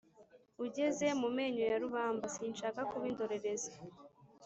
Ugeze mu menyo ya rubamba; Sinshaka kuba indorerezi